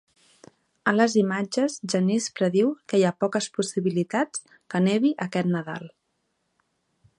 A les imatges, Janice prediu que hi ha poques possibilitats que nevi aquest Nadal.